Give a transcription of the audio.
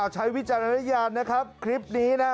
วิจารณญาณนะครับคลิปนี้นะ